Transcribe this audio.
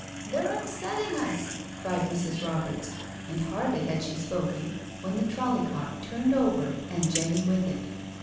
"They're upsetting us," cried Mrs. Roberts; and hardly had she spoken when the trolly cart turned over and Jenny with it.